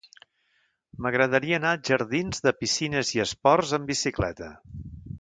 M'agradaria anar als jardins de Piscines i Esports amb bicicleta.